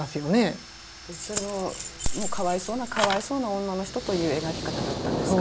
それもかわいそうなかわいそうな女の人という描き方だったんですか？